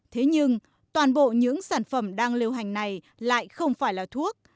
thế nhưng toàn bộ những sản phẩm đang lưu hành này lại không phải là thuốc